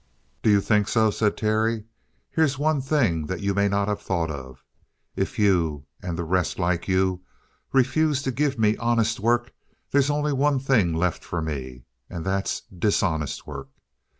"Do you think so?" said Terry. "Here's one thing that you may not have thought of. If you and the rest like you refuse to give me honest work, there's only one thing left for me and that's dishonest work.